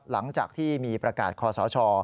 หลังจากที่มีประกาศคอสช